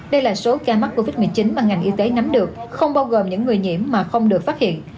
đây là số ca mắc covid một mươi chín mà ngành y tế nắm được không bao gồm những người nhiễm mà không được phát hiện